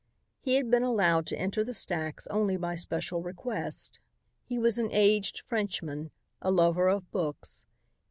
He had been allowed to enter the stacks only by special request. He was an aged Frenchman, a lover of books.